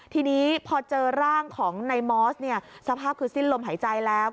ทีนี้พอเจอร่างของนายมอสเนี่ยสภาพคือสิ้นลมหายใจแล้ว